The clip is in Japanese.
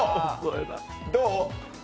どう？